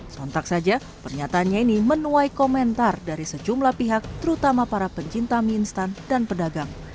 sontak saja pernyataannya ini menuai komentar dari sejumlah pihak terutama para pencinta mie instan dan pedagang